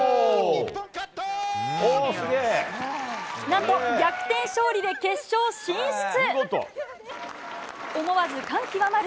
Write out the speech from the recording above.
なんと逆転勝利で決勝進出。